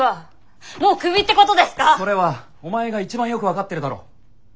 それはお前が一番よく分かってるだろ。